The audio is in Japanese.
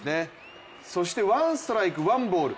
そしてワンストライクワンボール。